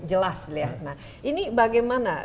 jelas ini bagaimana